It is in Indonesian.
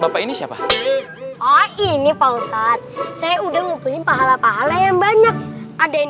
bapak ini siapa oh ini falsat saya udah ngumpulin pahala pahala yang banyak ada yang